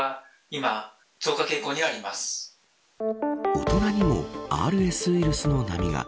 大人にもＲＳウイルスの波が。